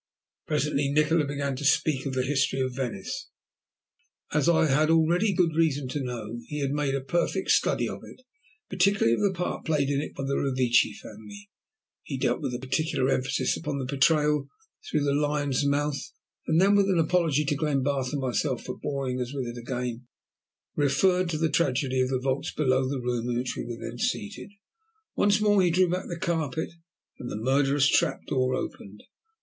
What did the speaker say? Presently Nikola began to speak of the history of Venice. As I had already had good reason to know, he had made a perfect study of it, particularly of the part played in it by the Revecce family. He dealt with particular emphasis upon the betrayal through the Lion's Mouth, and then, with an apology to Glenbarth and myself for boring us with it again, referred to the tragedy of the vaults below the room in which we were then seated. Once more he drew back the carpet and the murderous trap door opened.